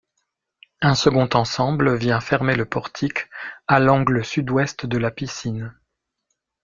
Un second ensemble vient fermer le portique à l'angle sud-ouest de la piscine.